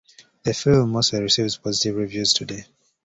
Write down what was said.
The film mostly receives positive reviews today.